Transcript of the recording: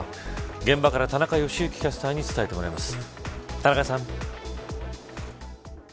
現場から田中良幸キャスターに伝えてもらいます、田中さん。